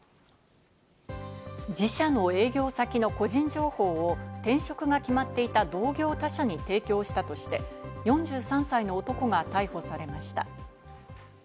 自社の営業先の個人情報を、転職が決まっていた同業他社に提供したとして、４３歳の男が逮捕されました。